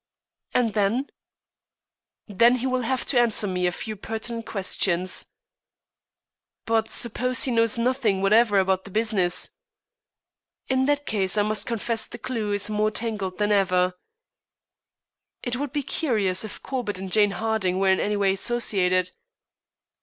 "And then?" "Then he will have to answer me a few pertinent questions." "But suppose he knows nothing whatever about the business?" "In that case I must confess the clue is more tangled than ever." "It would be curious if Corbett and Jane Harding were in any way associated."